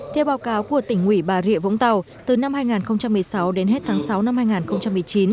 theo báo cáo của tỉnh ủy bà rịa vũng tàu từ năm hai nghìn một mươi sáu đến hết tháng sáu năm hai nghìn một mươi chín